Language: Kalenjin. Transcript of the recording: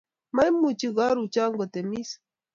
maimuche karuchan kotemis